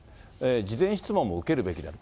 事前質問も受けるべきである。